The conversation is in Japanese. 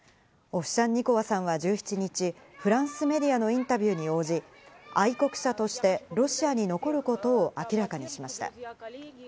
オフシャンニコワさんは１７日、フランスメディアのインタビューに応じ、愛国者としてロシアに残ることを明らかにしました。